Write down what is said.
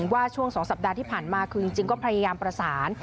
ว่าช่วง๒สัปดาห์ที่ผ่านมาคือจริงก็พยายามประสาน